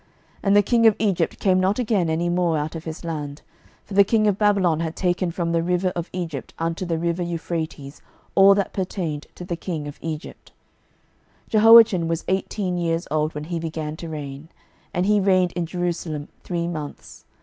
12:024:007 And the king of Egypt came not again any more out of his land: for the king of Babylon had taken from the river of Egypt unto the river Euphrates all that pertained to the king of Egypt. 12:024:008 Jehoiachin was eighteen years old when he began to reign, and he reigned in Jerusalem three months.